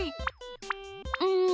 うん